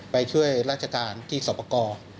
ไปช่วยราชการที่สอบประกอบ